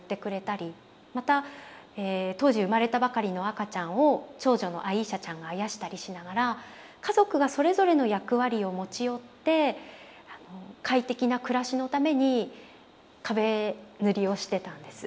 また当時生まれたばかりの赤ちゃんを長女のアイーシャちゃんがあやしたりしながら家族がそれぞれの役割を持ち寄って快適な暮らしのために壁塗りをしてたんです。